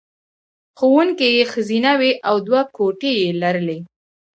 ښوونکې یې ښځینه وې او دوه کوټې یې لرلې